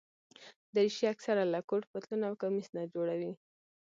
دریشي اکثره له کوټ، پتلون او کمیس نه جوړه وي.